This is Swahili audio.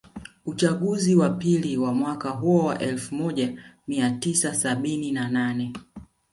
Uchaguzi wa pili wa mwaka huo wa elfu moja mia tisa sabini na nane